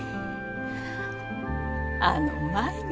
あの舞が。